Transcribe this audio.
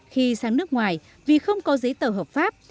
khi sang nước ngoài vì không có giấy tờ hợp pháp